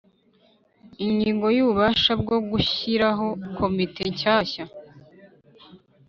ingingo y ububasha bwo gushyiraho komite shyashya